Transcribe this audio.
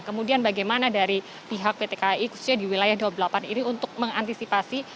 kemudian bagaimana dari pihak pt kai khususnya di wilayah dua puluh delapan ini untuk mengantisipasi